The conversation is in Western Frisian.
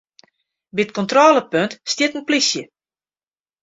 By it kontrôlepunt stiet in plysje.